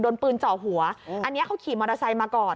โดนปืนเจาะหัวอันนี้เขาขี่มอเตอร์ไซค์มาก่อน